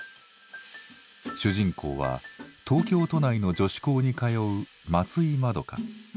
主人公は東京都内の女子高に通う松井まどか。